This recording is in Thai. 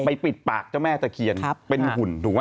ปิดปากเจ้าแม่ตะเคียนเป็นหุ่นถูกไหม